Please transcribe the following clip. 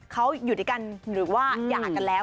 เขาอยู่ด้วยกันหรือว่าหย่ากันแล้ว